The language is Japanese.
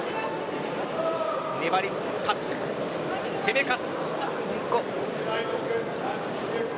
粘り勝つ、攻め勝つ。